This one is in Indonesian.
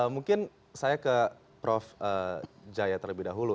mungkin saya ke prof jaya terlebih dahulu